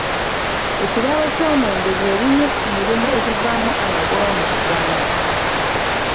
Ebirabo by'omwenge by'ebimu ku mirimu egivaamu amagoba mu Uganda.